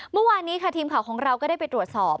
เมื่อวานนี้ค่ะทีมข่าวของเราก็ได้ไปตรวจสอบ